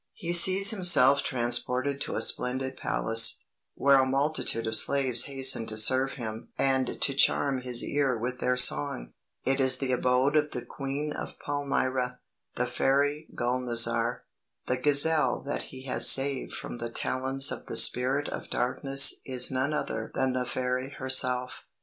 "He sees himself transported to a splendid palace, where a multitude of slaves hasten to serve him and to charm his ear with their song. It is the abode of the Queen of Palmyra the fairy Gul nazar. The gazelle that he has saved from the talons of the spirit of darkness is none other than the fairy herself.